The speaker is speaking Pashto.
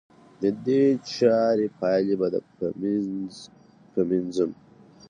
د دې چارې پايلې به د فيمينزم